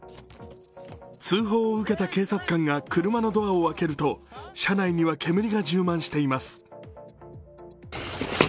通報を受けた警察官が車のドアを開けると、車内には煙が充満しています。